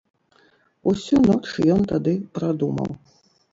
Усю ноч ён тады прадумаў.